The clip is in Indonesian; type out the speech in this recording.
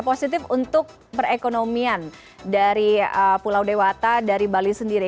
positif untuk perekonomian dari pulau dewata dari bali sendiri